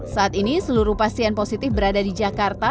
saat ini seluruh pasien positif berada di jakarta